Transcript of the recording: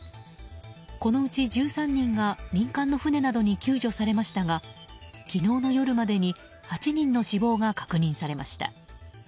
このうち１３人が民間の船などに救助されましたが昨日の夜までに８人の死亡が確認されました。